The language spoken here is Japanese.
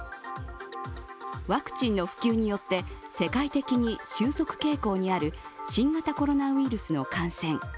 ワクチンの普及によって世界的に収束傾向にある新型コロナウイルスの感染。